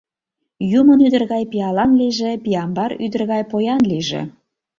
Юмынӱдыр гай пиалан лийже, Пиямбар ӱдыр гай поян лийже.